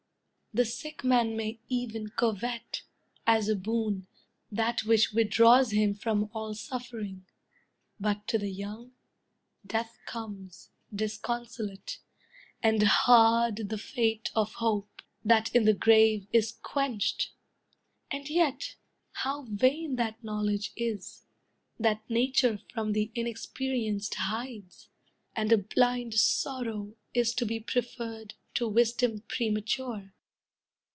The sick man may e'en covet, as a boon, That which withdraws him from all suffering; But to the young, Death comes, disconsolate; And hard the fate of hope, that in the grave Is quenched! And yet, how vain that knowledge is, That Nature from the inexperienced hides! And a blind sorrow is to be preferred To wisdom premature!"